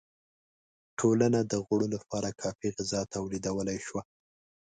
ټولنه د غړو لپاره کافی غذا تولیدولای شوه.